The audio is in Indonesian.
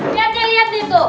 lihat lihat itu